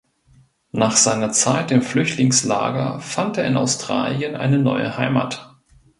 Nach seiner Zeit im Flüchtlingslager fand er in Australien eine neue Heimat.